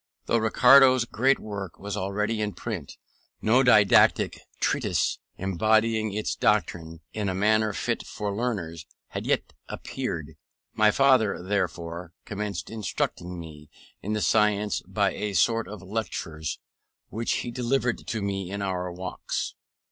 Though Ricardo's great work was already in print, no didactic treatise embodying its doctrines, in a manner fit for learners, had yet appeared. My father, therefore, commenced instructing me in the science by a sort of lectures, which he delivered to me in our walks.